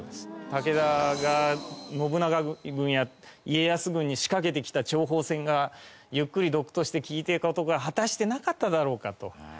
武田が信長軍や家康軍に仕掛けてきた諜報戦がゆっくり毒として効いた事が果たしてなかっただろうかと。